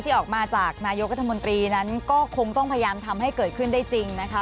ออกมาจากนายกรัฐมนตรีนั้นก็คงต้องพยายามทำให้เกิดขึ้นได้จริงนะคะ